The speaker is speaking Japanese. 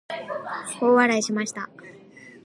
大笑いしました。